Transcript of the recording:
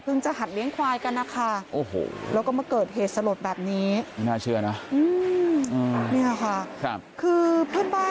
เพิ่งจะหัดเลี้ยงควายกันนะคะ